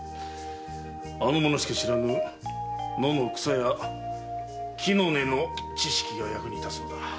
あの者しか知らぬ野の草や木の根の知識が役に立つのだ。